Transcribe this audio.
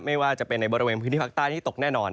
ไม่ว่าจะเป็นในบริเวณพื้นที่ภาคใต้ที่ตกแน่นอน